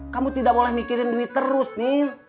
kamu tidak boleh mikirin duit terus nih